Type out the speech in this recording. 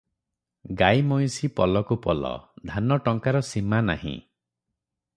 ଗାଈ ମଇଁଷି ପଲକୁ ପଲ, ଧାନ ଟଙ୍କାର ସୀମା ନାହିଁ ।